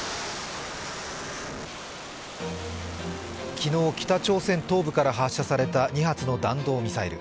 昨日、北朝鮮東部から発射された２発の弾道ミサイル。